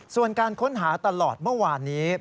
ส่วนการค้นหาตลอดเมื่อวานนี้